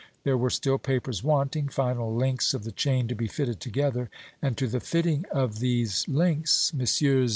There were still papers wanting final links of the chain to be fitted together; and to the fitting of these links Messrs.